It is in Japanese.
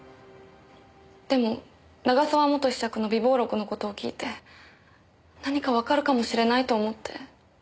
でも永沢元子爵の備忘録の事を聞いて何かわかるかもしれないと思って。